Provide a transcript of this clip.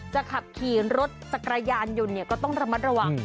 จะขับขี่รถสักรายานหยุ่นเนี่ยก็ต้องระมัดระวัง